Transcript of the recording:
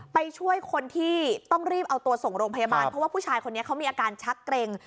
ไปช่วยคนที่ต้องรีบเอาตัวส่งโรงพยาบาลเพราะว่าผู้ชายคนนี้เขามีอาการชักเกร็ง